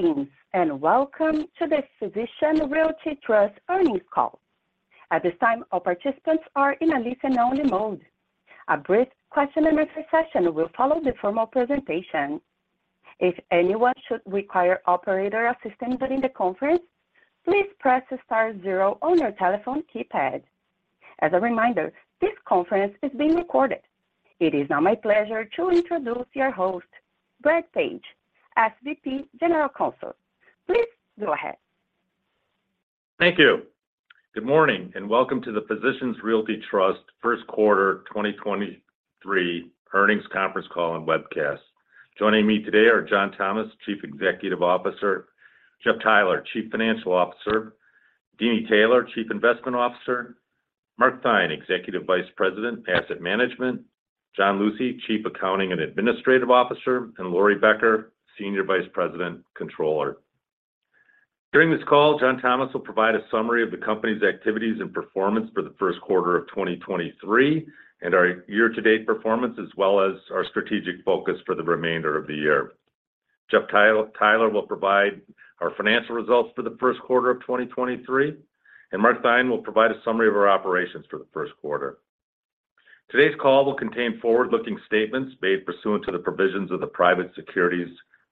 Greetings, welcome to the Physicians Realty Trust earnings call. At this time, all participants are in a listen-only mode. A brief question and answer session will follow the formal presentation. If anyone should require operator assistance during the conference, please press star zero on your telephone keypad. As a reminder, this conference is being recorded. It is now my pleasure to introduce your host, Brad Page, SVP, General Counsel. Please go ahead. Thank you. Good morning, and welcome to the Physicians Realty Trust first quarter 2023 earnings conference call and webcast. Joining me today are John Thomas, Chief Executive Officer; Jeff Theiler, Chief Financial Officer; Deeni Taylor, Chief Investment Officer; Mark Theine, Executive Vice President, Asset Management; John W. Lucey, Chief Accounting and Administrative Officer; and Laurie P. Becker, Senior Vice President, Controller. During this call, John Thomas will provide a summary of the company's activities and performance for the first quarter of 2023 and our year-to-date performance, as well as our strategic focus for the remainder of the year. Jeff Theiler will provide our financial results for the first quarter of 2023, and Mark Theine will provide a summary of our operations for the first quarter. Today's call will contain forward-looking statements made pursuant to the provisions of the Private Securities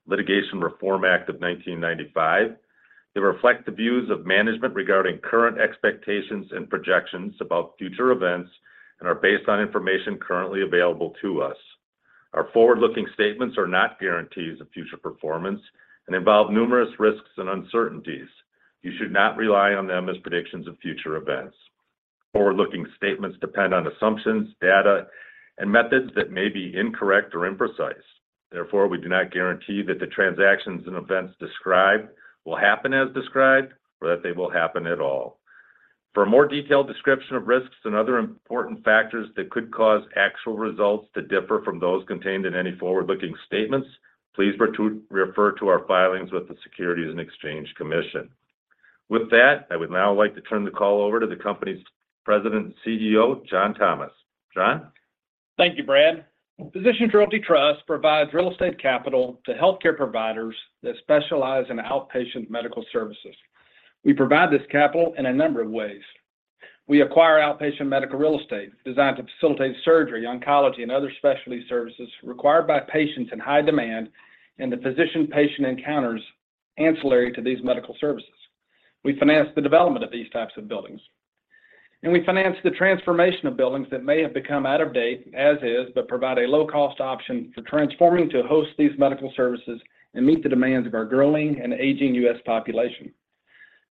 Litigation Reform Act of 1995. They reflect the views of management regarding current expectations and projections about future events and are based on information currently available to us. Our forward-looking statements are not guarantees of future performance and involve numerous risks and uncertainties. You should not rely on them as predictions of future events. Forward-looking statements depend on assumptions, data, and methods that may be incorrect or imprecise. Therefore, we do not guarantee that the transactions and events described will happen as described or that they will happen at all. For a more detailed description of risks and other important factors that could cause actual results to differ from those contained in any forward-looking statements, please refer to our filings with the Securities and Exchange Commission. With that, I would now like to turn the call over to the company's President and CEO, John Thomas. John? Thank you, Brad. Physicians Realty Trust provides real estate capital to healthcare providers that specialize in outpatient medical services. We provide this capital in a number of ways. We acquire outpatient medical real estate designed to facilitate surgery, oncology, and other specialty services required by patients in high demand and the physician-patient encounters ancillary to these medical services. We finance the development of these types of buildings. We finance the transformation of buildings that may have become out of date as is, but provide a low-cost option for transforming to host these medical services and meet the demands of our growing and aging U.S. population.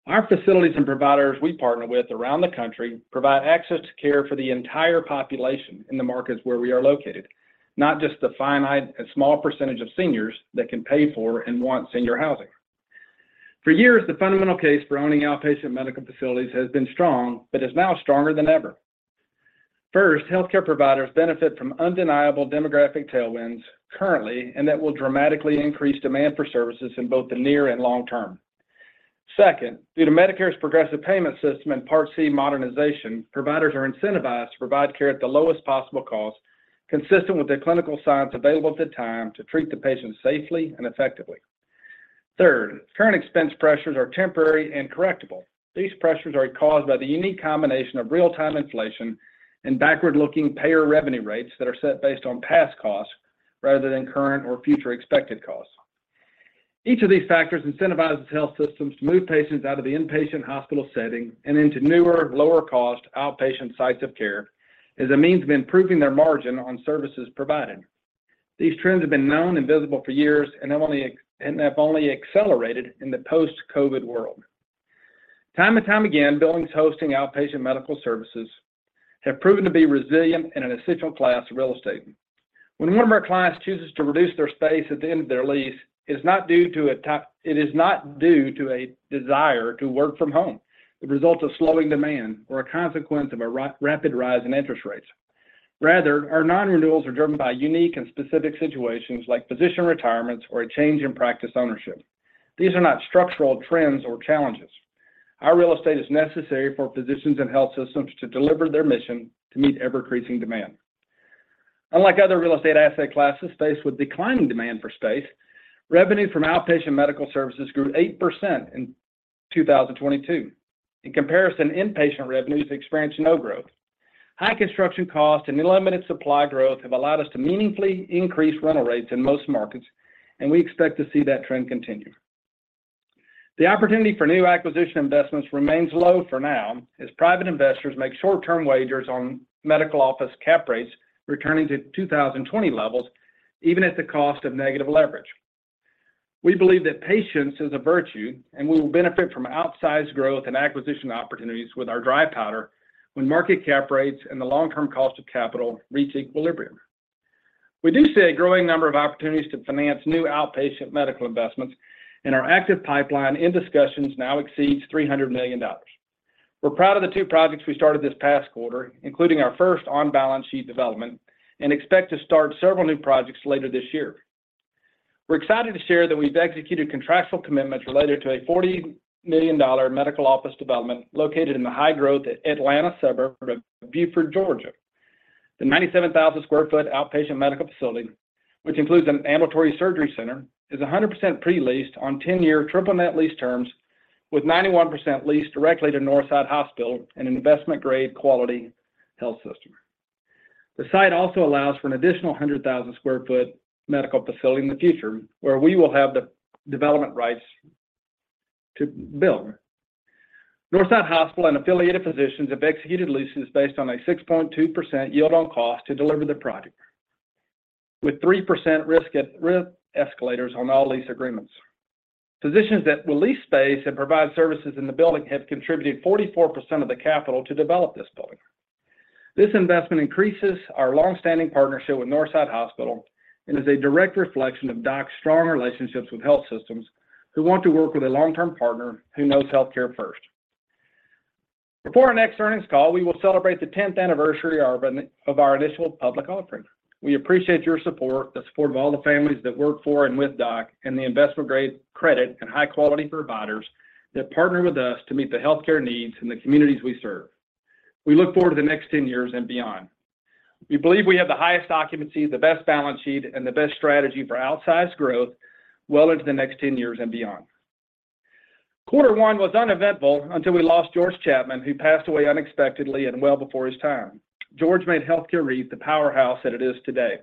Our facilities and providers we partner with around the country provide access to care for the entire population in the markets where we are located, not just the finite and small percentage of seniors that can pay for and want senior housing. For years, the fundamental case for owning outpatient medical facilities has been strong, but is now stronger than ever. First, healthcare providers benefit from undeniable demographic tailwinds currently, and that will dramatically increase demand for services in both the near and long term. Second, due to Medicare's progressive payment system and Part C modernization, providers are incentivized to provide care at the lowest possible cost, consistent with the clinical science available at the time to treat the patient safely and effectively. Third, current expense pressures are temporary and correctable. These pressures are caused by the unique combination of real-time inflation and backward-looking payer revenue rates that are set based on past costs rather than current or future expected costs. Each of these factors incentivizes health systems to move patients out of the inpatient hospital setting and into newer, lower-cost outpatient sites of care as a means of improving their margin on services provided. These trends have been known and visible for years and have only accelerated in the post-COVID world. Time and time again, buildings hosting outpatient medical services have proven to be resilient in an essential class of real estate. When one of our clients chooses to reduce their space at the end of their lease, it's not due to a desire to work from home. It results a slowing demand or a consequence of a rapid rise in interest rates. Rather, our non-renewals are driven by unique and specific situations like physician retirements or a change in practice ownership. These are not structural trends or challenges. Our real estate is necessary for physicians and health systems to deliver their mission to meet ever-increasing demand. Unlike other real estate asset classes faced with declining demand for space, revenue from outpatient medical services grew 8% in 2022. In comparison, inpatient revenues experienced no growth. High construction costs and limited supply growth have allowed us to meaningfully increase rental rates in most markets, and we expect to see that trend continue. The opportunity for new acquisition investments remains low for now as private investors make short-term wagers on medical office cap rates returning to 2020 levels, even at the cost of negative leverage. We believe that patience is a virtue, and we will benefit from outsized growth and acquisition opportunities with our dry powder when market cap rates and the long-term cost of capital reach equilibrium. We do see a growing number of opportunities to finance new outpatient medical investments. Our active pipeline in discussions now exceeds $300 million. We're proud of the two projects we started this past quarter, including our first on-balance-sheet development, and expect to start several new projects later this year. We're excited to share that we've executed contractual commitments related to a $40 million medical office development located in the high-growth Atlanta suburb of Buford, Georgia. The 97,000 sq ft outpatient medical facility, which includes an ambulatory surgery center, is 100% pre-leased on 10-year Triple Net lease terms with 91% leased directly to Northside Hospital, an investment-grade quality health system. The site also allows for an additional 100,000 sq ft medical facility in the future, where we will have the development rights to build. Northside Hospital and affiliated physicians have executed leases based on a 6.2% yield on cost to deliver the project, with 3% risk escalators on all lease agreements. Physicians that will lease space and provide services in the building have contributed 44% of the capital to develop this building. This investment increases our long-standing partnership with Northside Hospital and is a direct reflection of DOC's strong relationships with health systems who want to work with a long-term partner who knows healthcare first. Before our next earnings call, we will celebrate the 10th anniversary of our initial public offering. We appreciate your support, the support of all the families that work for and with DOC, and the investment-grade credit and high quality providers that partner with us to meet the healthcare needs in the communities we serve. We look forward to the next 10 years and beyond. We believe we have the highest occupancy, the best balance sheet and the best strategy for outsized growth well into the next 10 years and beyond. Quarter 1 was uneventful until we lost George Chapman, who passed away unexpectedly and well before his time. George made Health Care REIT the powerhouse that it is today.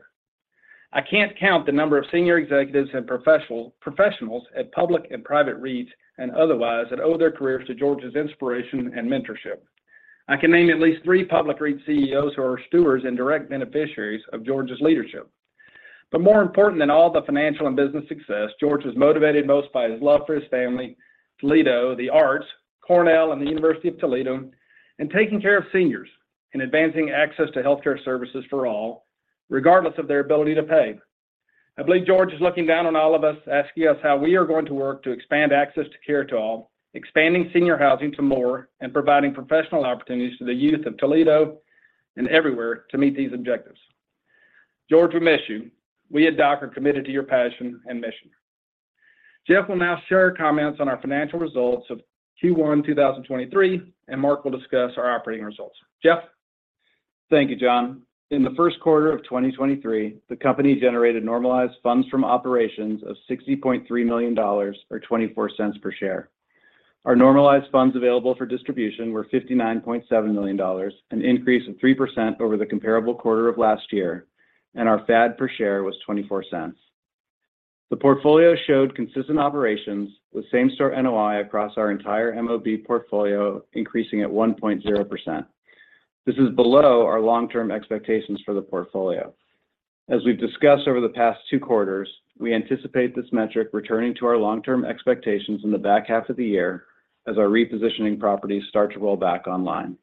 I can't count the number of senior executives and professionals at public and private REITs and otherwise that owe their careers to George's inspiration and mentorship. I can name at least 3 public REIT CEOs who are stewards and direct beneficiaries of George's leadership. More important than all the financial and business success, George was motivated most by his love for his family, Toledo, the arts, Cornell and The University of Toledo, and taking care of seniors and advancing access to healthcare services for all, regardless of their ability to pay. I believe George is looking down on all of us, asking us how we are going to work to expand access to care to all, expanding senior housing to more, and providing professional opportunities to the youth of Toledo and everywhere to meet these objectives. George, we miss you. We at DOC are committed to your passion and mission. Jeff will now share comments on our financial results of Q1 2023, and Mark will discuss our operating results. Jeff? Thank you, John. In the 1st quarter of 2023, the company generated Normalized Funds From Operations of $60.3 million, or $0.24 per share. Our Normalized Funds Available for Distribution were $59.7 million, an increase of 3% over the comparable quarter of last year, and our FAD per share was $0.24. The portfolio showed consistent operations with same-store NOI across our entire MOB portfolio, increasing at 1.0%. This is below our long-term expectations for the portfolio. As we've discussed over the past two quarters, we anticipate this metric returning to our long-term expectations in the back half of the year as our repositioning properties start to roll back online.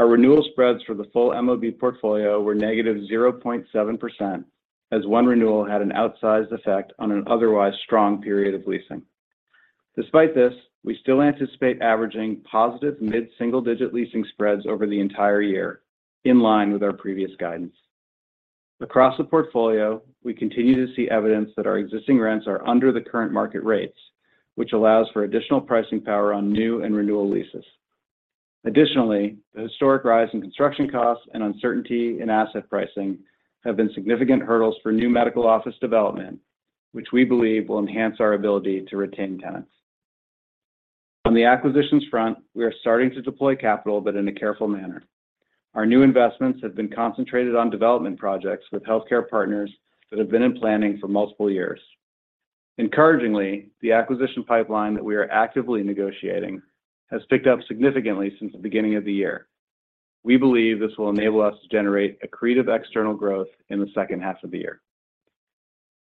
Our renewal spreads for the full MOB portfolio were negative 0.7%, as one renewal had an outsized effect on an otherwise strong period of leasing. Despite this, we still anticipate averaging positive mid-single-digit leasing spreads over the entire year, in line with our previous guidance. Across the portfolio, we continue to see evidence that our existing rents are under the current market rates, which allows for additional pricing power on new and renewal leases. Additionally, the historic rise in construction costs and uncertainty in asset pricing have been significant hurdles for new medical office development, which we believe will enhance our ability to retain tenants. On the acquisitions front, we are starting to deploy capital, but in a careful manner. Our new investments have been concentrated on development projects with healthcare partners that have been in planning for multiple years. Encouragingly, the acquisition pipeline that we are actively negotiating has picked up significantly since the beginning of the year. We believe this will enable us to generate accretive external growth in the second half of the year.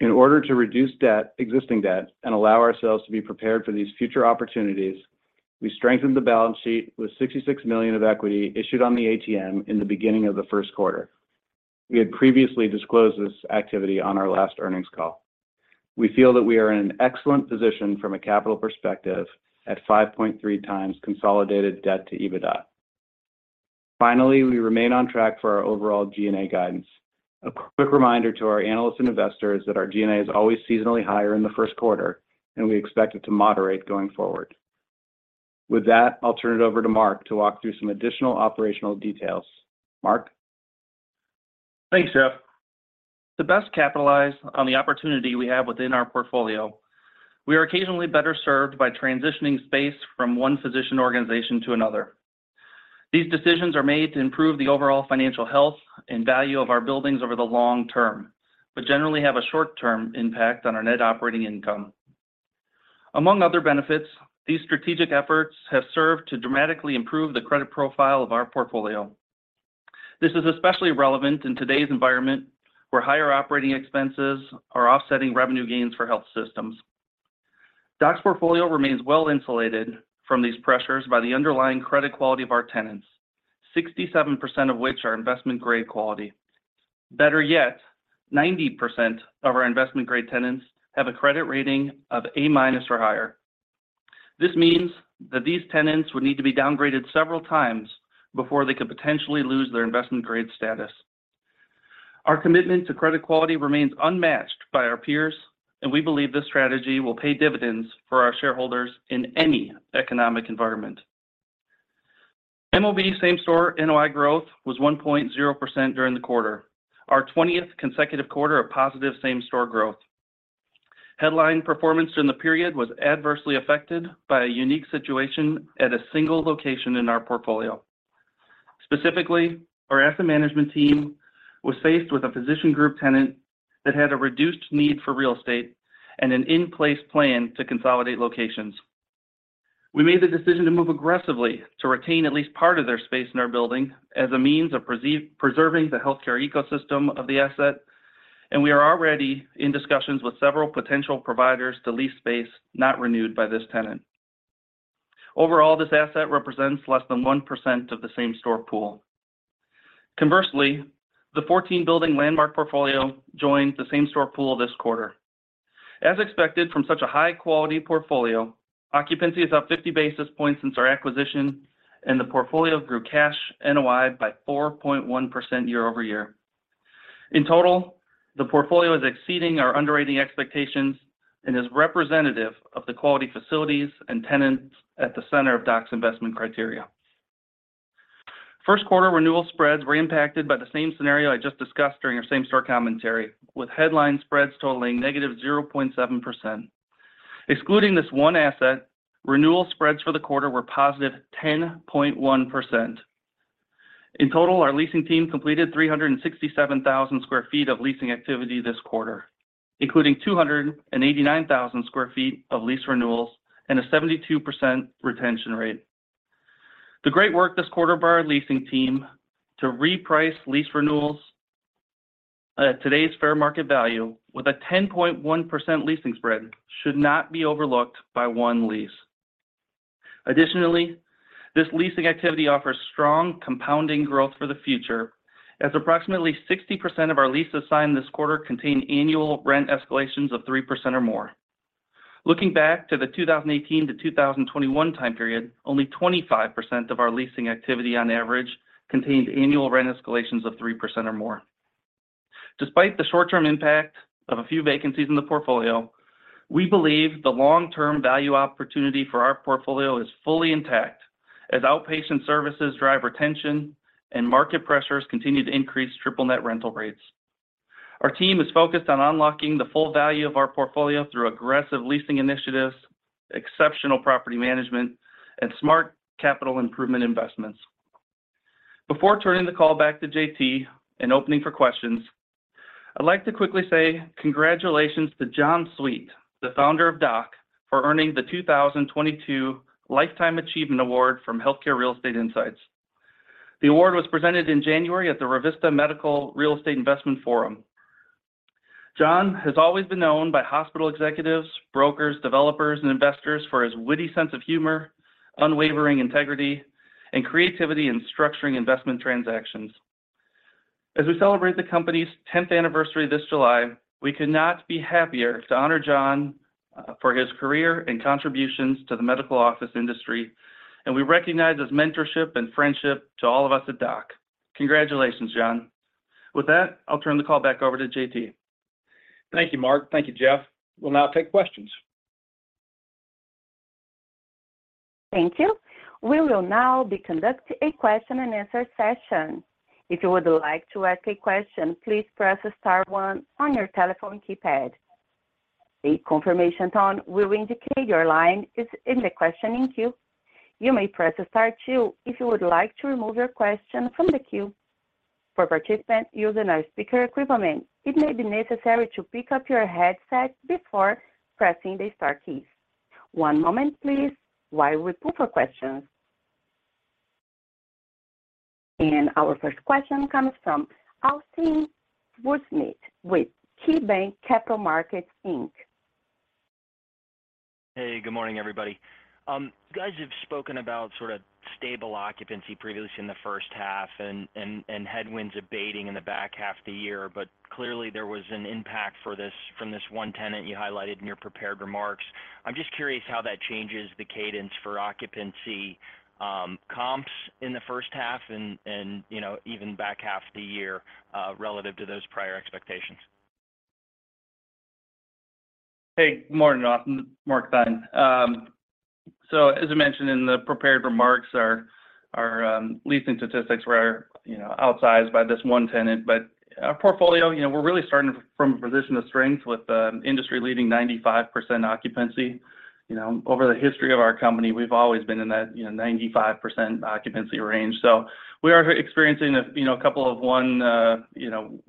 In order to reduce debt, existing debt, and allow ourselves to be prepared for these future opportunities, we strengthened the balance sheet with $66 million of equity issued on the ATM in the beginning of the first quarter. We had previously disclosed this activity on our last earnings call. We feel that we are in an excellent position from a capital perspective at 5.3 times consolidated debt to EBITDA. We remain on track for our overall G&A guidance. A quick reminder to our analysts and investors that our G&A is always seasonally higher in the first quarter, and we expect it to moderate going forward. With that, I'll turn it over to Mark to walk through some additional operational details. Mark? Thanks, Jeff. To best capitalize on the opportunity we have within our portfolio, we are occasionally better served by transitioning space from one physician organization to another. These decisions are made to improve the overall financial health and value of our buildings over the long term, but generally have a short-term impact on our NOI. Among other benefits, these strategic efforts have served to dramatically improve the credit profile of our portfolio. This is especially relevant in today's environment, where higher operating expenses are offsetting revenue gains for health systems. DOC's portfolio remains well-insulated from these pressures by the underlying credit quality of our tenants, 67% of which are investment-grade quality. Better yet, 90% of our investment-grade tenants have a credit rating of A minus or higher. This means that these tenants would need to be downgraded several times before they could potentially lose their investment-grade status. Our commitment to credit quality remains unmatched by our peers, and we believe this strategy will pay dividends for our shareholders in any economic environment. MOB same-store NOI growth was 1.0% during the quarter, our 20th consecutive quarter of positive same-store growth. Headline performance in the period was adversely affected by a unique situation at a single location in our portfolio. Specifically, our asset management team was faced with a physician group tenant that had a reduced need for real estate and an in-place plan to consolidate locations. We made the decision to move aggressively to retain at least part of their space in our building as a means of preserving the healthcare ecosystem of the asset, and we are already in discussions with several potential providers to lease space not renewed by this tenant. Overall, this asset represents less than 1% of the same-store pool. Conversely, the 14-building landmark portfolio joined the same-store pool this quarter. As expected from such a high-quality portfolio, occupancy is up 50 basis points since our acquisition, and the portfolio grew cash NOI by 4.1% year-over-year. In total, the portfolio is exceeding our underwriting expectations and is representative of the quality facilities and tenants at the center of DOC's investment criteria. First quarter renewal spreads were impacted by the same scenario I just discussed during our same-store commentary, with headline spreads totaling negative 0.7%. Excluding this one asset, renewal spreads for the quarter were positive 10.1%. In total, our leasing team completed 367,000 sq ft of leasing activity this quarter, including 289,000 sq ft of lease renewals and a 72% retention rate. The great work this quarter by our leasing team to reprice lease renewals at today's fair market value with a 10.1% leasing spread should not be overlooked by one lease. Additionally, this leasing activity offers strong compounding growth for the future as approximately 60% of our leases signed this quarter contain annual rent escalations of 3% or more. Looking back to the 2018 to 2021 time period, only 25% of our leasing activity on average contained annual rent escalations of 3% or more. Despite the short-term impact of a few vacancies in the portfolio, we believe the long-term value opportunity for our portfolio is fully intact as outpatient services drive retention and market pressures continue to increase triple net rental rates. Our team is focused on unlocking the full value of our portfolio through aggressive leasing initiatives, exceptional property management, and smart capital improvement investments. Before turning the call back to JT and opening for questions, I'd like to quickly say congratulations to John Sweet, the founder of DOC, for earning the 2022 Lifetime Achievement Award from Healthcare Real Estate Insights. The award was presented in January at the Revista Medical Real Estate Investment Forum. John has always been known by hospital executives, brokers, developers, and investors for his witty sense of humor, unwavering integrity, and creativity in structuring investment transactions. As we celebrate the company's 10th anniversary this July, we could not be happier to honor John for his career and contributions to the medical office industry, and we recognize his mentorship and friendship to all of us at DOC. Congratulations, John. With that, I'll turn the call back over to JT. Thank you, Mark. Thank you, Jeff. We'll now take questions. Thank you. We will now be conducting a question and answer session. If you would like to ask a question, please press star one on your telephone keypad. A confirmation tone will indicate your line is in the questioning queue. You may press star two if you would like to remove your question from the queue. For participants using a speaker equipment, it may be necessary to pick up your headset before pressing the star keys. One moment please while we pull for questions. Our first question comes from Austin Wurschmidt with KeyBanc Capital Markets Inc. Hey, good morning, everybody. You guys have spoken about sort of stable occupancy previously in the first half and headwinds abating in the back half of the year. Clearly, there was an impact from this one tenant you highlighted in your prepared remarks. I'm just curious how that changes the cadence for occupancy, comps in the first half and, you know, even back half of the year relative to those prior expectations. Hey, good morning, Austin. Mark Theine. As I mentioned in the prepared remarks, our leasing statistics were, you know, outsized by this one tenant. Our portfolio, you know, we're really starting from a position of strength with industry-leading 95% occupancy. You know, over the history of our company, we've always been in that, you know, 95% occupancy range. We are experiencing a, you know, a couple of one or two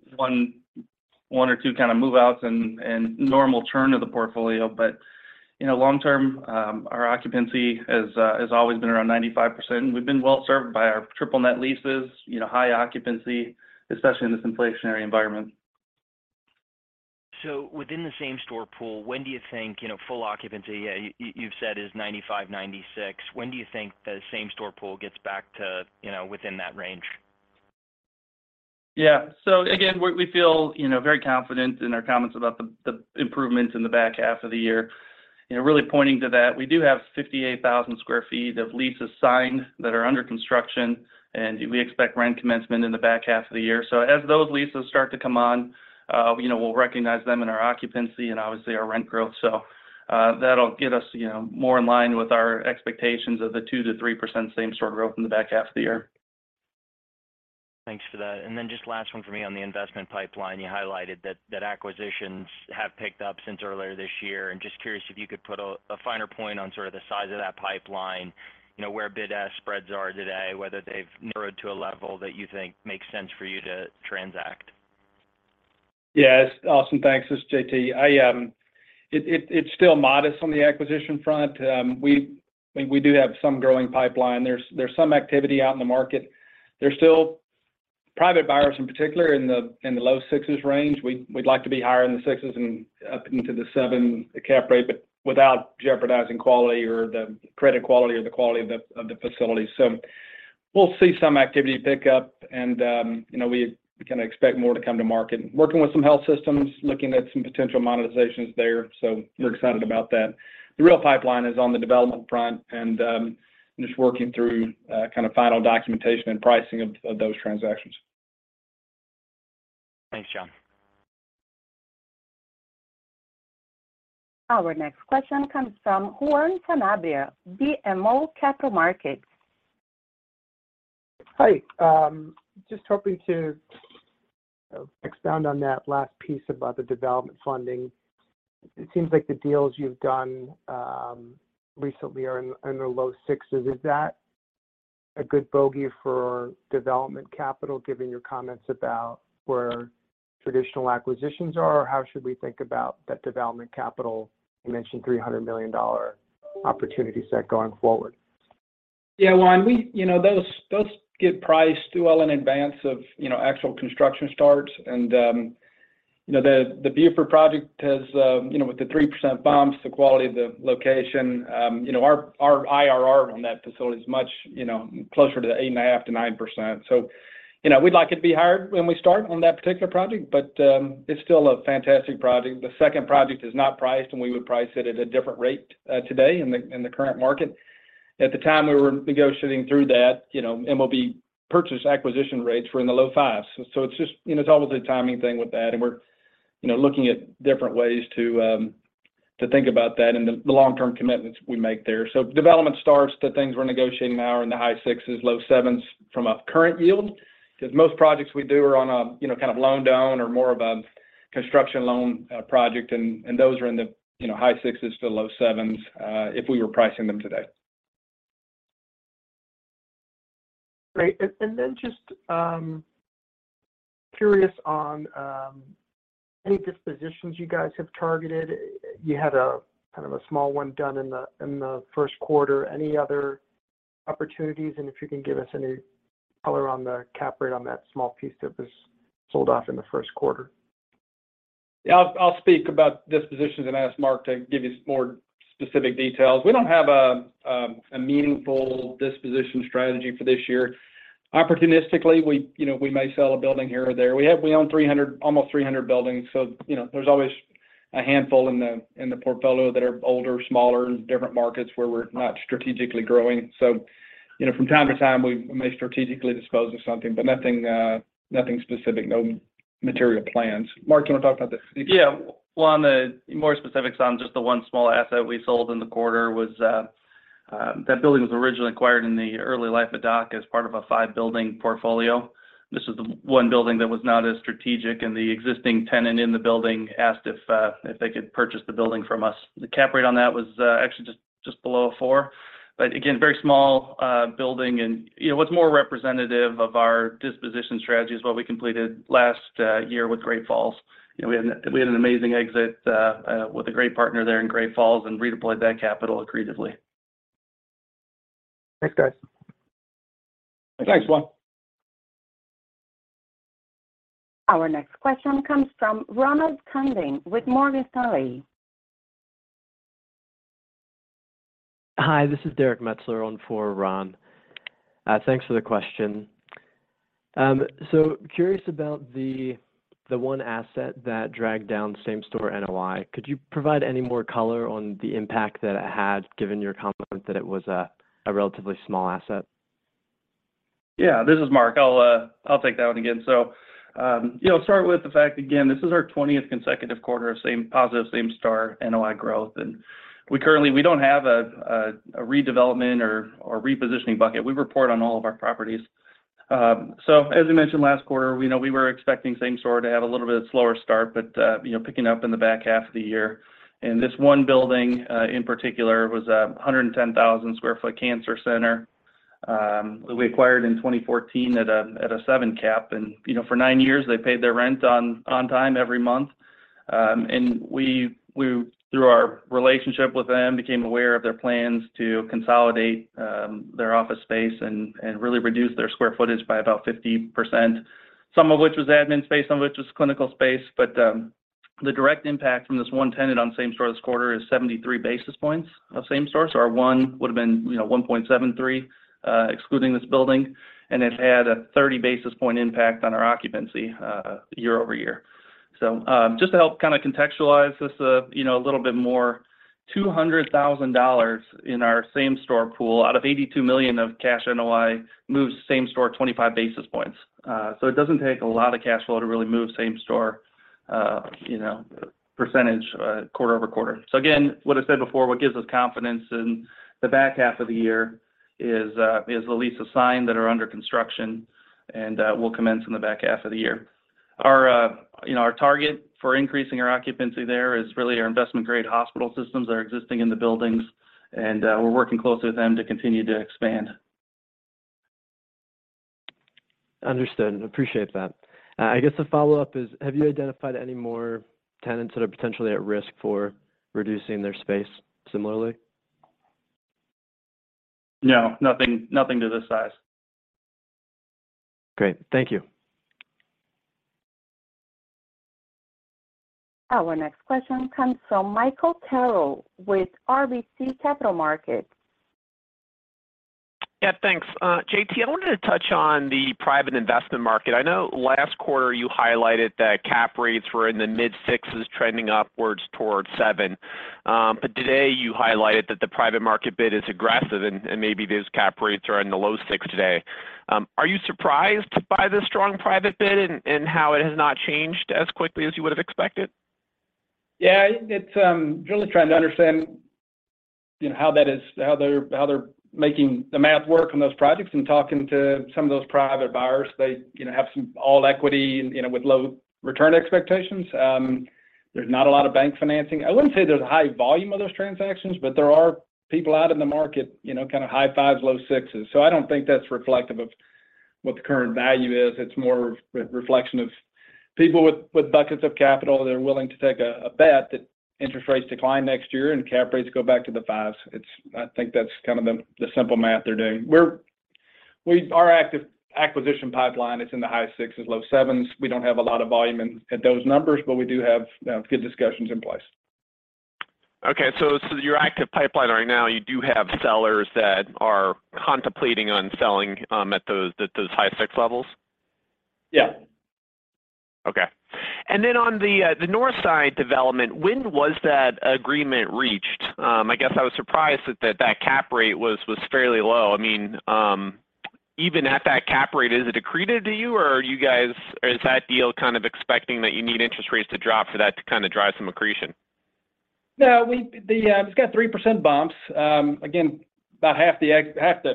kind of move-outs and normal churn of the portfolio. You know, long term, our occupancy has always been around 95%, and we've been well served by our Triple Net leases, you know, high occupancy, especially in this inflationary environment. Within the same-store pool, when do you think, you know, full occupancy, you've said is 95%, 96%. When do you think the same-store pool gets back to, you know, within that range? Yeah. Again, we feel, you know, very confident in our comments about the improvements in the back half of the year. You know, really pointing to that. We do have 58,000 sq ft of leases signed that are under construction We expect rent commencement in the back half of the year. As those leases start to come on, you know, we'll recognize them in our occupancy and obviously our rent growth. That'll get us, you know, more in line with our expectations of the 2%-3% same-store growth in the back half of the year. Thanks for that. Then just last one for me on the investment pipeline. You highlighted that acquisitions have picked up since earlier this year. Just curious if you could put a finer point on sort of the size of that pipeline, you know, where bid-ask spreads are today, whether they've narrowed to a level that you think makes sense for you to transact. Yes. Austin, thanks. This is JT. It's still modest on the acquisition front. I mean, we do have some growing pipeline. There's some activity out in the market. There's still private buyers in particular in the low sixes range. We'd like to be higher in the sixes and up into the 7 cap rate, without jeopardizing quality or the credit quality or the quality of the facilities. We'll see some activity pick up and, you know, we kinda expect more to come to market. Working with some health systems, looking at some potential monetizations there, we're excited about that. The real pipeline is on the development front and just working through kind of final documentation and pricing of those transactions. Thanks, John. Our next question comes from Juan Sanabria, BMO Capital Markets. Hi. Just hoping to expound on that last piece about the development funding. It seems like the deals you've done recently are in the low sixes. Is that a good bogey for development capital given your comments about where traditional acquisitions are? How should we think about that development capital? You mentioned $300 million opportunity set going forward. Yeah, Juan, you know, those get priced well in advance of, you know, actual construction starts. You know, the Beaufort project has, you know, with the 3% bumps, the quality of the location, you know, our IRR on that facility is much, you know, closer to the 8.5%-9%. You know, we'd like it to be higher when we start on that particular project, but it's still a fantastic project. The second project is not priced, and we would price it at a different rate today in the current market. At the time we were negotiating through that, you know, MOB purchase acquisition rates were in the low 5s. It's just, you know, it's always a timing thing with that, and we're, you know, looking at different ways to think about that and the long-term commitments we make there. Development starts, the things we're negotiating now are in the high sixes, low sevens from a current yield. Because most projects we do are on a, you know, kind of loan down or more of a construction loan project and those are in the, you know, high sixes to low sevens if we were pricing them today. Great. Then just, curious on, any dispositions you guys have targeted. You had a kind of a small one done in the first quarter. Any other opportunities? If you can give us any color on the cap rate on that small piece that was sold off in the first quarter. Yeah. I'll speak about dispositions and ask Mark to give you more specific details. We don't have a meaningful disposition strategy for this year. Opportunistically, we, you know, we may sell a building here or there. We own almost 300 buildings, you know, there's always a handful in the portfolio that are older, smaller, in different markets where we're not strategically growing. You know, from time to time we may strategically dispose of something, but nothing specific. No material plans. Mark, do you wanna talk about the. Yeah. Juan, the more specifics on just the one small asset we sold in the quarter was. That building was originally acquired in the early life of DOC as part of a 5-building portfolio. This is the one building that was not as strategic, and the existing tenant in the building asked if they could purchase the building from us. The cap rate on that was actually just below a 4. Again, very small building and, you know, what's more representative of our disposition strategy is what we completed last year with Great Falls. You know, we had an amazing exit with a great partner there in Great Falls and redeployed that capital aggressively. Thanks, guys. Thanks, Juan. Our next question comes from Ronald Kamdem with Morgan Stanley. Hi, this is Derrick Metzler on for Ron. Thanks for the question. Curious about the one asset that dragged down same-store NOI. Could you provide any more color on the impact that it had given your comment that it was a relatively small asset? Yeah. This is Mark. I'll take that one again. You know, start with the fact, again, this is our 20th consecutive quarter of positive same-store NOI growth. We don't have a redevelopment or repositioning bucket. We report on all of our properties. As we mentioned last quarter, we know we were expecting same-store to have a little bit of a slower start, but, you know, picking up in the back half of the year. This one building in particular was a 110,000 sq ft cancer center we acquired in 2014 at a 7 cap. You know, for nine years, they paid their rent on time every month. We, through our relationship with them, became aware of their plans to consolidate their office space and really reduce their square footage by about 50%, some of which was admin space, some of which was clinical space. The direct impact from this one tenant on same-store this quarter is 73 basis points of same-store. Our one would've been, you know, 1.73, excluding this building, and it had a 30 basis point impact on our occupancy year-over-year. Just to help kind of contextualize this, you know, a little bit more. $200,000 in our same-store pool out of $82 million of cash NOI moves same-store 25 basis points. It doesn't take a lot of cash flow to really move same-store, you know, %, quarter-over-quarter. Again, what I said before, what gives us confidence in the back half of the year is the lease of sign that are under construction and, will commence in the back half of the year. Our, you know, our target for increasing our occupancy there is really our investment-grade hospital systems that are existing in the buildings, and, we're working closely with them to continue to expand. Understood. Appreciate that. I guess the follow-up is, have you identified any more tenants that are potentially at risk for reducing their space similarly? No, nothing to this size. Great. Thank you. Our next question comes from Michael Carroll with RBC Capital Markets. Yeah, thanks. JT, I wanted to touch on the private investment market. I know last quarter you highlighted that cap rates were in the mid-sixes trending upwards towards 7%. today you highlighted that the private market bid is aggressive and maybe those cap rates are in the low 6% today. are you surprised by the strong private bid and how it has not changed as quickly as you would have expected? It's really trying to understand, you know, how they're, how they're making the math work on those projects and talking to some of those private buyers. They, you know, have some all equity and, you know, with low return expectations. There's not a lot of bank financing. I wouldn't say there's a high volume of those transactions, but there are people out in the market, you know, kind of high 5s, low 6s. I don't think that's reflective of what the current value is. It's more re-reflection of people with buckets of capital. They're willing to take a bet that interest rates decline next year and cap rates go back to the 5s. I think that's kind of the simple math they're doing. Our active acquisition pipeline is in the high 6s, low 7s. We don't have a lot of volume at those numbers, but we do have, you know, good discussions in place. Okay. Your active pipeline right now, you do have sellers that are contemplating on selling, at those high 6 levels? Yeah. Okay. On the Northside development, when was that agreement reached? I guess I was surprised that cap rate was fairly low. I mean, even at that cap rate, is it accreted to you, or is that deal kind of expecting that you need interest rates to drop for that to kind of drive some accretion? No. The, it's got 3% bumps. Again, about half the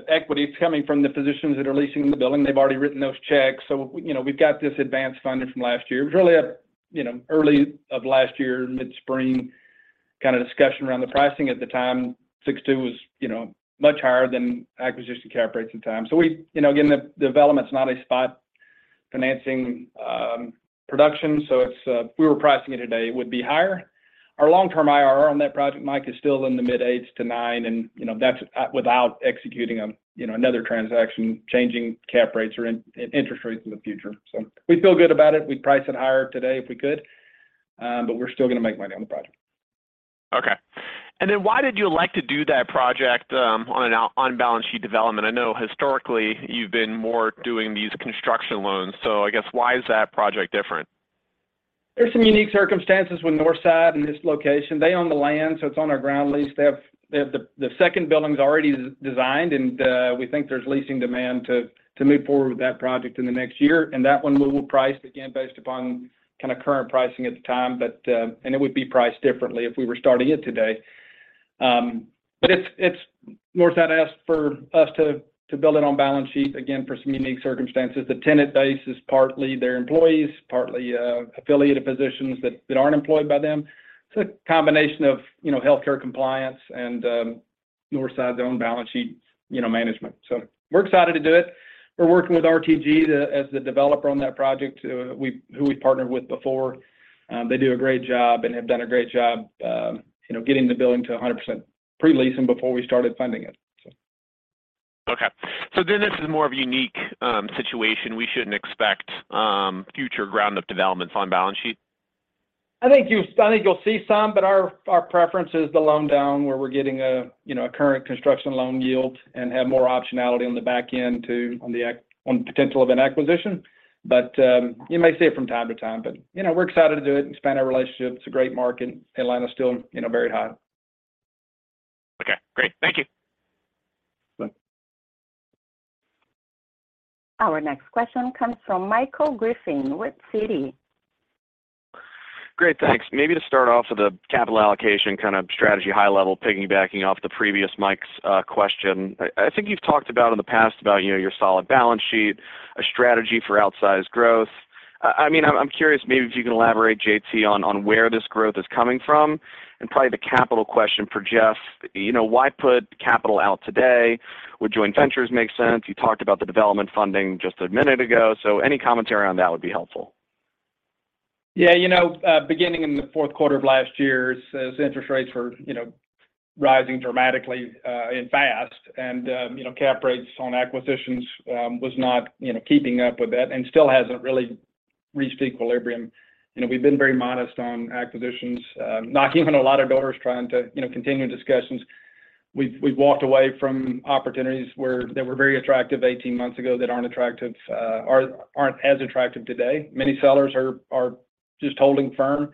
equity is coming from the physicians that are leasing the building. They've already written those checks. You know, we've got this advanced funding from last year. It was really a, you know, early of last year, mid-spring kind of discussion around the pricing at the time. 6.2 was, you know, much higher than acquisition cap rates at the time. You know, again, the development's not a spot financing production, so it's, if we were pricing it today, it would be higher. Our long-term IRR on that project, Mike, is still in the mid-8s to 9, and, you know, that's without executing, you know, another transaction, changing cap rates or interest rates in the future. We feel good about it. We'd price it higher today if we could. We're still gonna make money on the project. Okay. Why did you elect to do that project, on an on balance sheet development? I know historically you've been more doing these construction loans. I guess why is that project different? There's some unique circumstances with Northside and this location. They own the land, so it's on our ground lease. They have the second building's already de-designed, and we think there's leasing demand to move forward with that project in the next year. That one we will price again based upon kind of current pricing at the time, but. It would be priced differently if we were starting it today. It's Northside asked for us to build it on balance sheet again for some unique circumstances. The tenant base is partly their employees, partly affiliated physicians that aren't employed by them. It's a combination of, you know, healthcare compliance and Northside's own balance sheet, you know, management. We're excited to do it. We're working with RTG the, as the developer on that project, who we partnered with before. They do a great job and have done a great job, you know, getting the building to 100% pre-leasing before we started funding it. This is more of a unique situation. We shouldn't expect future ground-up developments on balance sheet? I think you'll see some, but our preference is the loan down where we're getting a, you know, current construction loan yield and have more optionality on the back end to on potential of an acquisition. You may see it from time to time, but, you know, we're excited to do it and expand our relationship. It's a great market. Atlanta is still, you know, very hot. Okay, great. Thank you. Sure. Our next question comes from Michael Griffin with Citi. Great, thanks. Maybe to start off with the capital allocation kind of strategy, high level, piggybacking off the previous Mike's question. I think you've talked about in the past about, you know, your solid balance sheet, a strategy for outsized growth. I mean, I'm curious maybe if you can elaborate, J.T., on where this growth is coming from. Probably the capital question for Jeff, you know, why put capital out today? Would joint ventures make sense? You talked about the development funding just a minute ago. Any commentary on that would be helpful. Yeah. You know, beginning in the fourth quarter of last year as interest rates were, you know, rising dramatically, and fast and, you know, cap rates on acquisitions was not, you know, keeping up with that and still hasn't really reached equilibrium. You know, we've been very modest on acquisitions, knocking on a lot of doors trying to, you know, continue discussions. We've walked away from opportunities where they were very attractive 18 months ago that aren't attractive, or aren't as attractive today. Many sellers are just holding firm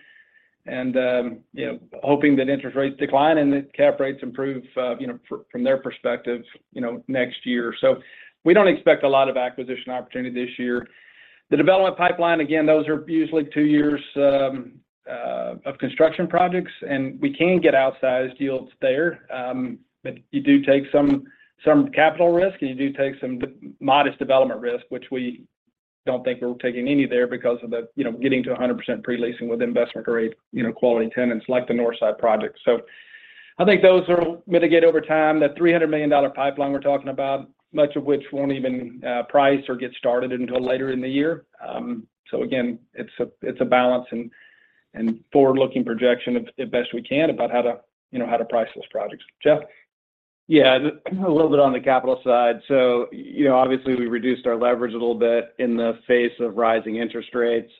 and, you know, hoping that interest rates decline and that cap rates improve, you know, from their perspective, you know, next year. We don't expect a lot of acquisition opportunity this year. The development pipeline, again, those are usually two years of construction projects, and we can get outsized yields there. You do take some capital risk, and you do take some modest development risk, which we don't think we're taking any there because of the, you know, getting to 100% pre-leasing with investment grade, you know, quality tenants like the Northside project. I think those are mitigated over time. That $300 million pipeline we're talking about, much of which won't even price or get started until later in the year. Again, it's a balance and forward-looking projection as best we can about how to, you know, how to price those projects. Jeff? Yeah. A little bit on the capital side. You know, obviously we reduced our leverage a little bit in the face of rising interest rates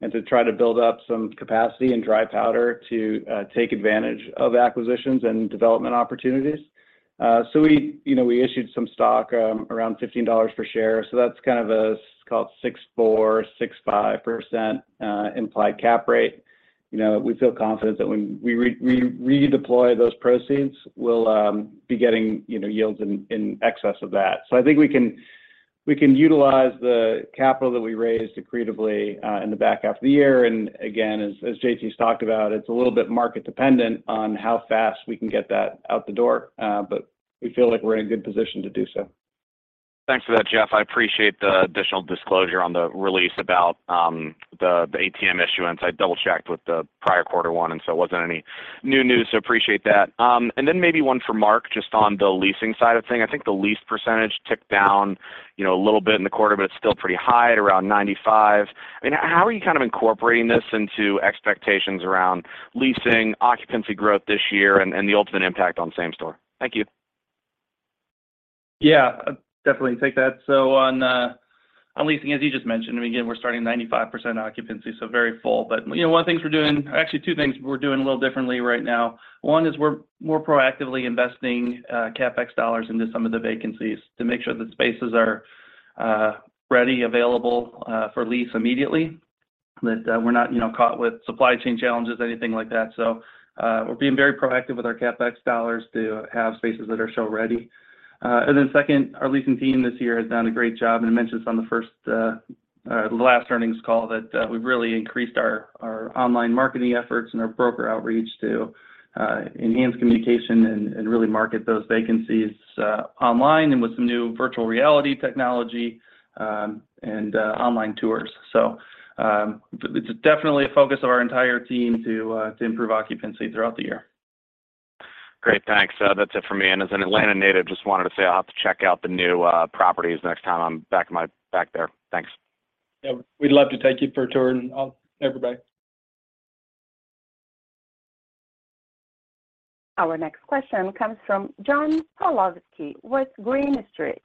and to try to build up some capacity and dry powder to take advantage of acquisitions and development opportunities. We, you know, we issued some stock, around $15 per share, so that's kind of a, it's called 6.4%-6.5% implied cap rate. You know, we feel confident that when we redeploy those proceeds, we'll be getting, you know, yields in excess of that. I think we can utilize the capital that we raised accretively in the back half of the year. Again, as JT's talked about, it's a little bit market dependent on how fast we can get that out the door. We feel like we're in a good position to do so. Thanks for that, Jeff. I appreciate the additional disclosure on the release about the ATM issuance. I double-checked with the prior quarter one, it wasn't any new news, so appreciate that. Maybe one for Mark, just on the leasing side of things. I think the lease percentage ticked down, you know, a little bit in the quarter, but it's still pretty high at around 95. I mean, how are you kind of incorporating this into expectations around leasing, occupancy growth this year, and the ultimate impact on same store? Thank you. Definitely take that. On leasing, as you just mentioned, I mean, again, we're starting at 95% occupancy, so very full. You know, one of the things we're doing or actually two things we're doing a little differently right now. One is we're more proactively investing CapEx dollars into some of the vacancies to make sure the spaces are ready, available for lease immediately, that we're not, you know, caught with supply chain challenges, anything like that. We're being very proactive with our CapEx dollars to have spaces that are show ready. Then second, our leasing team this year has done a great job, and I mentioned this on the first, the last earnings call, that we've really increased our online marketing efforts and our broker outreach to enhance communication and really market those vacancies online and with some new virtual reality technology, and online tours. It's definitely a focus of our entire team to improve occupancy throughout the year. Great. Thanks. That's it for me. As an Atlanta native, just wanted to say I'll have to check out the new properties next time I'm back there. Thanks. Yeah, we'd love to take you for a tour and, everybody. Our next question comes from John Pawlowski with Green Street.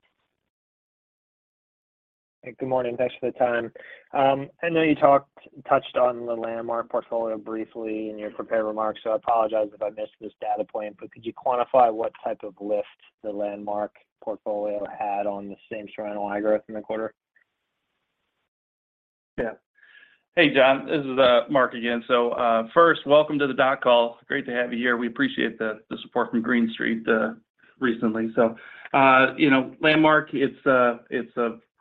Good morning. Thanks for the time. I know you touched on the Landmark portfolio briefly in your prepared remarks, so I apologize if I missed this data point, but could you quantify what type of lift the Landmark portfolio had on the same-store NOI growth in the quarter? Yeah. Hey, John, this is Mark again. First, welcome to the DOC call. Great to have you here. We appreciate the support from Green Street recently. You know, Landmark, it's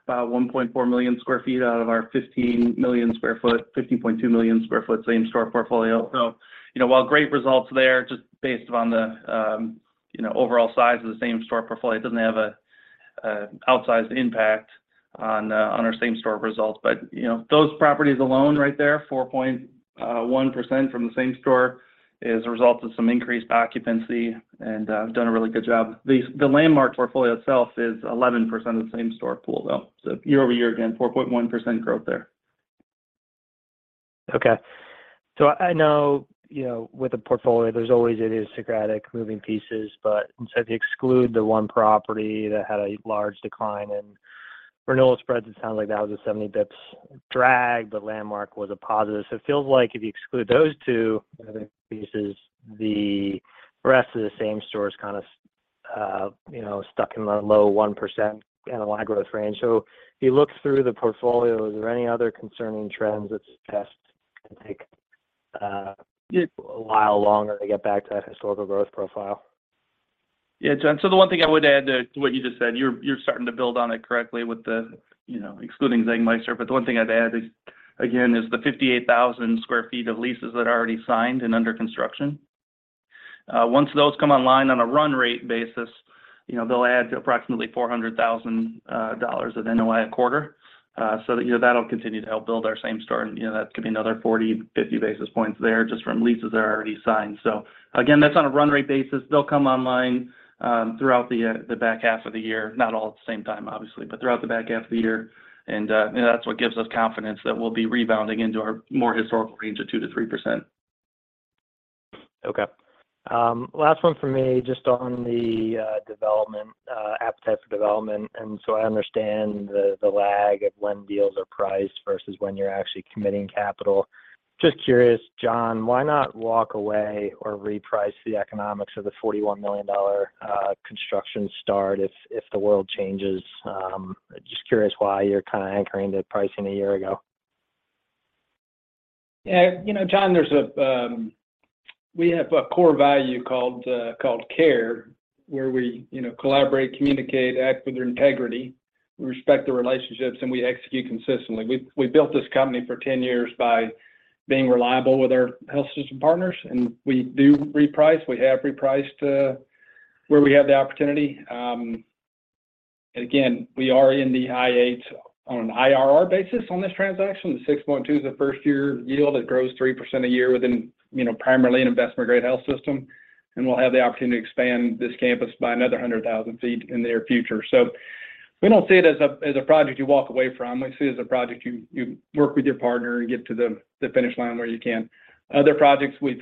about 1.4 million sq ft out of our 15 million sq ft, 15.2 million sq ft same-store portfolio. You know, while great results there, just based upon the, you know, overall size of the same-store portfolio, it doesn't have a outsized impact on our same-store results. You know, those properties alone right there, 4.1% from the same-store, is a result of some increased occupancy and have done a really good job. The Landmark portfolio itself is 11% of the same-store pool, though. year-over-year, again, 4.1% growth there. Okay. I know, you know, with the portfolio, there's always it is Socratic moving pieces, but instead if you exclude the one property that had a large decline in renewal spreads, it sounds like that was a 70 basis points drag, but Landmark was a positive. It feels like if you exclude those two other pieces, the rest of the same store is kind of, you know, stuck in the low 1% NOI growth range. If you look through the portfolio, is there any other concerning trends that suggest it can take a while longer to get back to that historical growth profile? John, the one thing I would add to what you just said, you're starting to build on it correctly with the, you know, excluding SegMeister. The one thing I'd add is, again, is the 58,000 sq ft of leases that are already signed and under construction. Once those come online on a run rate basis, you know, they'll add to approximately $400,000 of NOI a quarter. That'll continue to help build our same store and, you know, that could be another 40, 50 basis points there just from leases that are already signed. Again, that's on a run rate basis. They'll come online throughout the back half of the year. Not all at the same time, obviously, but throughout the back half of the year. You know, that's what gives us confidence that we'll be rebounding into our more historical range of 2%-3%. Okay. Last one for me just on the development appetite for development. I understand the lag of when deals are priced versus when you're actually committing capital. Just curious, John, why not walk away or reprice the economics of the $41 million construction start if the world changes? Just curious why you're kind of anchoring the pricing a year ago. Yeah. You know, John, there's a, we have a core value called CARE where we, you know, collaborate, communicate, act with integrity, we respect the relationships, and we execute consistently. We built this company for 10 years by being reliable with our health system partners, and we do reprice. We have repriced where we have the opportunity. Again, we are in the high eights on an IRR basis on this transaction. The 6.2 is the first-year yield. It grows 3% a year within, you know, primarily an investment-grade health system. We'll have the opportunity to expand this campus by another 100,000 feet in the near future. We don't see it as a project you walk away from. We see it as a project you work with your partner and get to the finish line where you can. Other projects, we've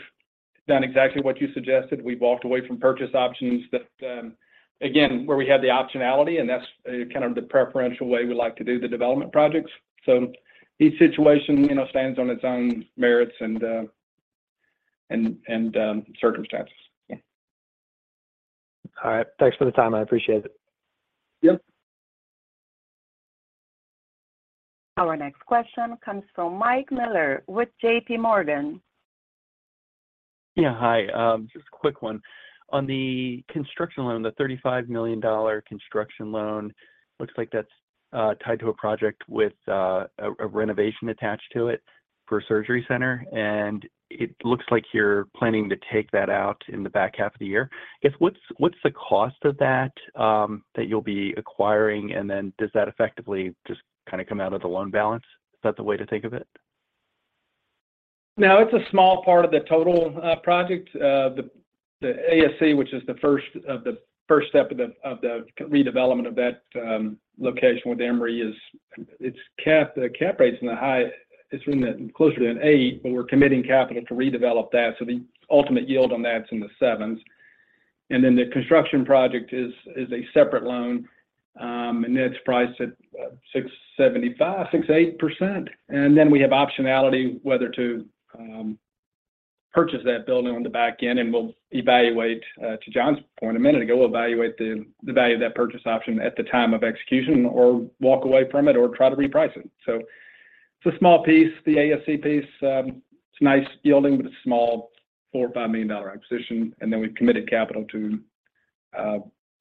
done exactly what you suggested. We've walked away from purchase options that again, where we had the optionality, and that's kind of the preferential way we like to do the development projects. Each situation, you know, stands on its own merits and circumstances. Yeah. All right. Thanks for the time. I appreciate it. Yep. Our next question comes from Michael Miller with JP Morgan. Yeah, hi. Just a quick one. On the construction loan, the $35 million construction loan, looks like that's tied to a project with a renovation attached to it for a surgery center, and it looks like you're planning to take that out in the back half of the year. I guess, what's the cost of that that you'll be acquiring? Does that effectively just kind of come out of the loan balance? Is that the way to think of it? No, it's a small part of the total project. The ASC, which is the first step of the redevelopment of that location with Emory is, the cap rate's in the high It's closer to an eight, but we're committing capital to redevelop that. The ultimate yield on that's in the 7s. The construction project is a separate loan, and it's priced at 6.75%, 6.8%. We have optionality whether to purchase that building on the back end, and we'll evaluate to John's point a minute ago, we'll evaluate the value of that purchase option at the time of execution or walk away from it or try to reprice it. It's a small piece. The ASC piece, it's a nice yielding but a small $4 million-$5 million acquisition. We've committed capital to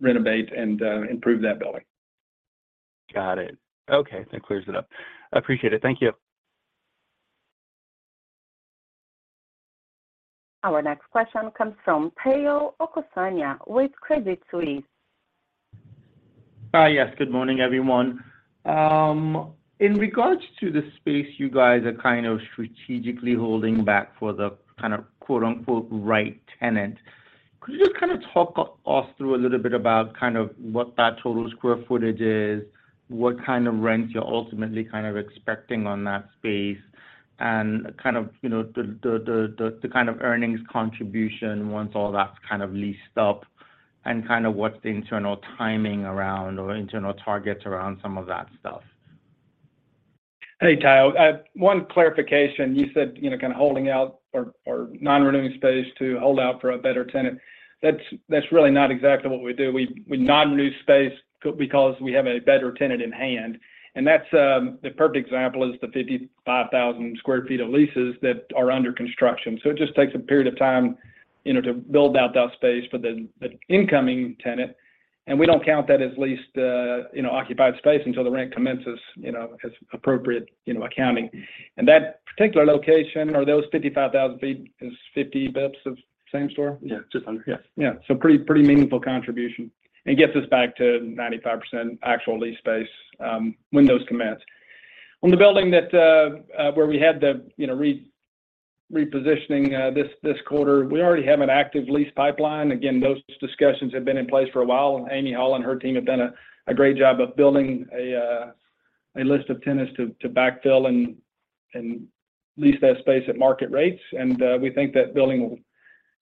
renovate and improve that building. Got it. Okay. That clears it up. I appreciate it. Thank you. Our next question comes from Omotayo Okusanya with Credit Suisse. Hi. Yes. Good morning, everyone. In regards to the space you guys are kind of strategically holding back for the kind of quote unquote "right tenant," could you just kind of talk us through a little bit about kind of what that total square footage is, what kind of rent you're ultimately kind of expecting on that space and kind of, you know, the kind of earnings contribution once all that's kind of leased up and kind of what's the internal timing around or internal targets around some of that stuff? Hey, Tayo. One clarification. You said, you know, kind of holding out or non-renewing space to hold out for a better tenant. That's really not exactly what we do. We non-renew space because we have a better tenant in hand, and that's the perfect example is the 55,000 sq ft of leases that are under construction. It just takes a period of time, you know, to build out that space for the incoming tenant. We don't count that as leased, you know, occupied space until the rent commences, you know, as appropriate, you know, accounting. That particular location or those 55,000 feet is 50 basis points of same-store. Yeah. $200. Yes. Yeah. pretty meaningful contribution and gets us back to 95% actual leased space when those commence. On the building that where we had the, you know, repositioning this quarter, we already have an active lease pipeline. Again, those discussions have been in place for a while, and Amy Hall and her team have done a great job of building a list of tenants to backfill and lease that space at market rates. we think that building will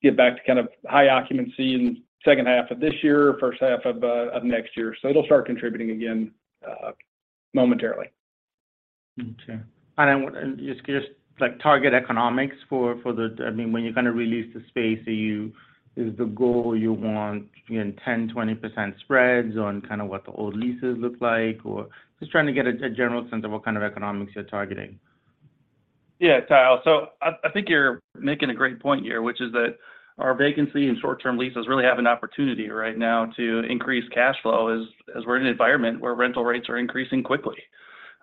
get back to kind of high occupancy in second half of this year, first half of next year. it'll start contributing again momentarily. Okay. Then just like target economics for the I mean, when you're gonna re-lease the space, Is the goal you want, you know, 10%, 20% spreads on kind of what the old leases look like? Or just trying to get a general sense of what kind of economics you're targeting. Yeah, Tayo. I think you're making a great point here, which is that our vacancy and short-term leases really have an opportunity right now to increase cash flow as we're in an environment where rental rates are increasing quickly.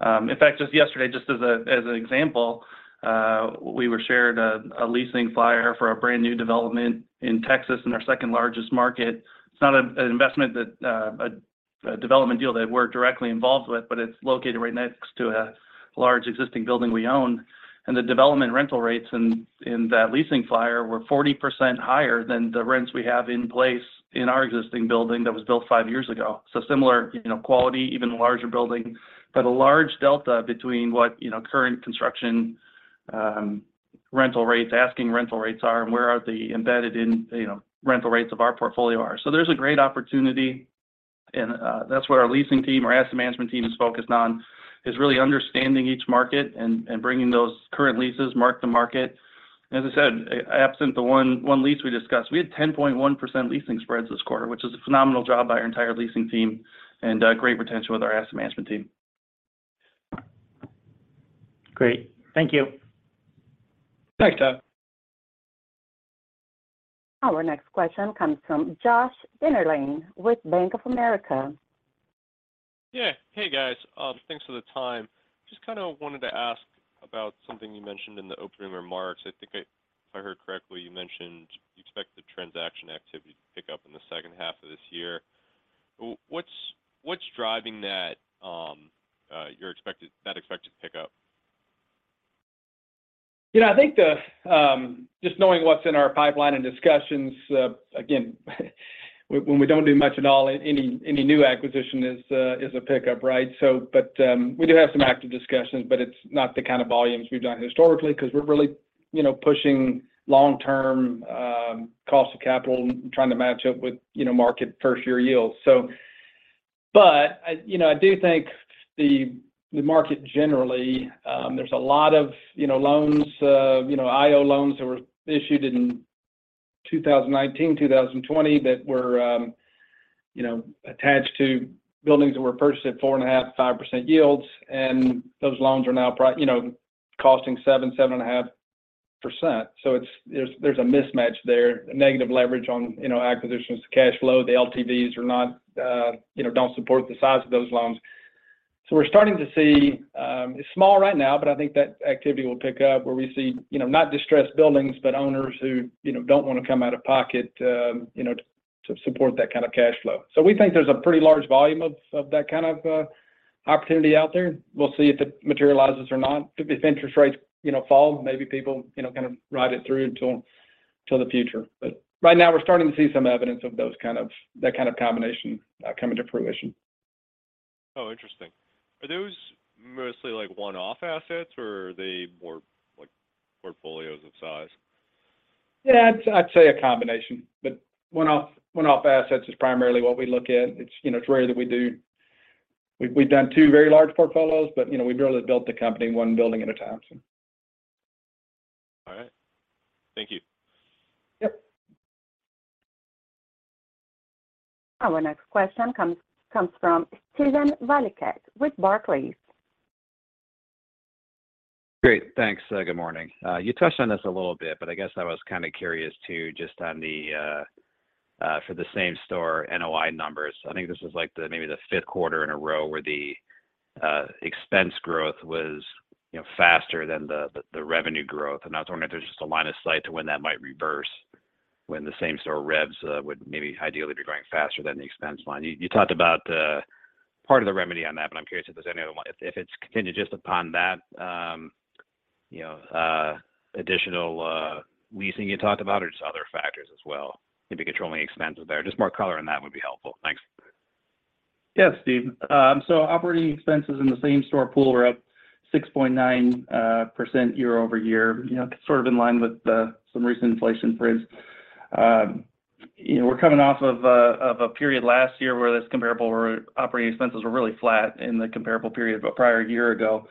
In fact, just yesterday, just as an example, we were shared a leasing flyer for a brand-new development in Texas, in our second-largest market. It's not an investment that, a development deal that we're directly involved with, but it's located right next to a large existing building we own. The development rental rates in that leasing flyer were 40% higher than the rents we have in place in our existing building that was built five years ago. Similar, you know, quality, even larger building, but a large delta between what, you know, current construction rental rates, asking rental rates are and where the embedded in, you know, rental rates of our portfolio are. There's a great opportunity. That's what our leasing team, our asset management team is focused on, is really understanding each market and bringing those current leases mark to market. As I said, absent the one lease we discussed, we had 10.1% leasing spreads this quarter, which is a phenomenal job by our entire leasing team and great retention with our asset management team. Great. Thank you. Thanks, Todd. Our next question comes from Joshua Dennerlein with Bank of America. Yeah. Hey, guys. Thanks for the time. Just kind of wanted to ask about something you mentioned in the opening remarks. If I heard correctly, you mentioned you expect the transaction activity to pick up in the second half of this year. What's driving that expected pickup? You know, I think the just knowing what's in our pipeline and discussions, again, when we don't do much at all, any new acquisition is a pickup, right? We do have some active discussions, but it's not the kind of volumes we've done historically because we're really, you know, pushing long-term cost of capital and trying to match up with, you know, market first year yields. I, you know, I do think the market generally, there's a lot of, you know, loans, IO loans that were issued in 2019, 2020 that were, you know, attached to buildings that were purchased at 4.5%-5% yields, and those loans are now, you know, costing 7%-7.5%. There's, there's a mismatch there, a negative leverage on, you know, acquisitions to cash flow. The LTVs are not, you know, don't support the size of those loans. We're starting to see, it's small right now, but I think that activity will pick up where we see, you know, not distressed buildings, but owners who, you know, don't want to come out of pocket, you know, to support that kind of cash flow. We think there's a pretty large volume of that kind of opportunity out there. We'll see if it materializes or not. If interest rates, you know, fall, maybe people, you know, kind of ride it through until the future. Right now, we're starting to see some evidence of that kind of combination coming to fruition. Oh, interesting. Are those mostly like one-off assets, or are they more like portfolios of size? Yeah, I'd say a combination. One-off assets is primarily what we look at. It's, you know, it's rare that we do We've done 2 very large portfolios, you know, we've really built the company 1 building at a time, so. All right. Thank you. Yep. Our next question comes from Steven Valiquette with Barclays. Great. Thanks. Good morning. You touched on this a little bit, but I guess I was kind of curious too, just on the for the same-store NOI numbers. I think this is like the maybe the fifth quarter in a row where the expense growth was, you know, faster than the revenue growth. I was wondering if there's just a line of sight to when that might reverse when the same-store revs would maybe ideally be growing faster than the expense line. You talked about part of the remedy on that, but I'm curious if there's any other one. If it's continued just upon that, you know, additional leasing you talked about or just other factors as well, maybe controlling expenses there. Just more color on that would be helpful. Thanks. Steve. Operating expenses in the same-store pool were up 6.9% year-over-year. You know, sort of in line with some recent inflation prints. You know, we're coming off of a period last year where this comparable or operating expenses were really flat in the comparable period but prior year ago.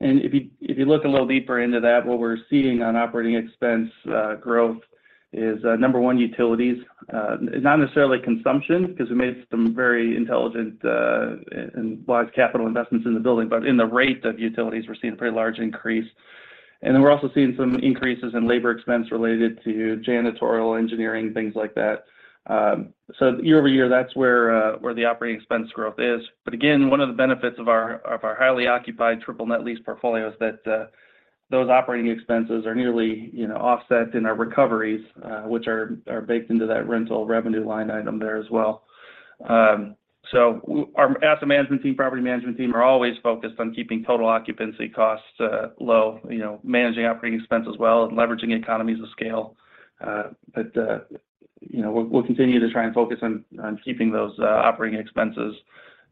If you look a little deeper into that, what we're seeing on operating expense growth is number 1, utilities. Not necessarily consumption, because we made some very intelligent and large capital investments in the building, but in the rate of utilities, we're seeing a pretty large increase. Then we're also seeing some increases in labor expense related to janitorial, engineering, things like that. Year-over-year, that's where the operating expense growth is. Again, one of the benefits of our highly occupied Triple Net lease portfolio is that those operating expenses are nearly, you know, offset in our recoveries, which are baked into that rental revenue line item there as well. Our asset management team, property management team are always focused on keeping total occupancy costs low, you know, managing operating expenses well and leveraging economies of scale. You know, we'll continue to try and focus on keeping those operating expenses,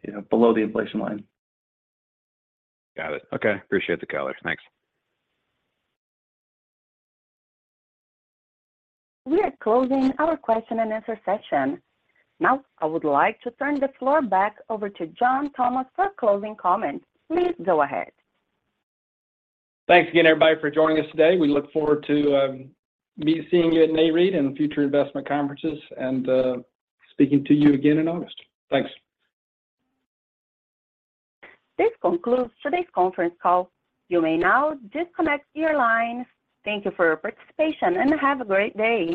you know, below the inflation line. Got it. Okay. Appreciate the color. Thanks. We are closing our question and answer session. I would like to turn the floor back over to John Thomas for closing comments. Please go ahead. Thanks again, everybody, for joining us today. We look forward to be seeing you at Nareit in future investment conferences and speaking to you again in August. Thanks. This concludes today's conference call. You may now disconnect your lines. Thank you for your participation, and have a great day.